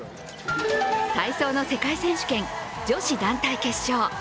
体操の世界選手権女子団体決勝。